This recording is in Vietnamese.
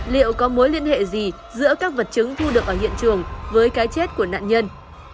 liệu có mối liên hệ gì giữa các vật chứng thu được ở hiện trường với cái chết của nạn nhân